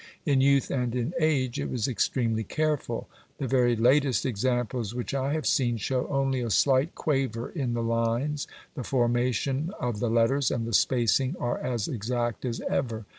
In youth and in age, it was extremely careful. The very latest examples which I have seen show only a slight quaver in the lines; the formation of the letters and the spacing are as exact as ever.